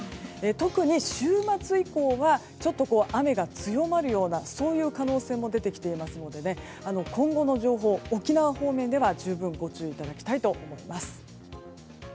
特に、週末以降はちょっと雨が強まるようなそういう可能性も出てきていますので今後の情報、沖縄方面では十分ご注意いただきたいと思います。